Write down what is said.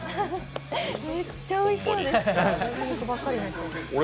めっちゃおいしそうでし俺